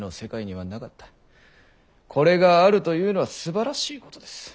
これがあるというのはすばらしいことです。